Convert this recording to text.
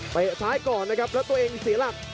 ซ้ายก่อนนะครับแล้วตัวเองเสียหลัก